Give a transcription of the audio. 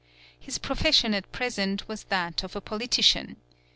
His profession at present was that of a poli tician.